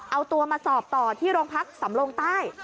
เอาตัวมาสอบต่อที่โรงพักสำรงใต้